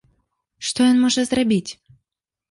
Што ён можа зрабіць?